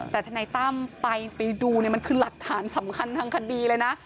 แต่ทนายตั้มไปดูเนี่ยมันคือหลักฐานสำคัญทางคดีเลยนะ